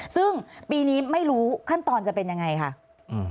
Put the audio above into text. ซึ่งปีนี้ไม่รู้ขั้นตอนจะเป็นยังไงค่ะ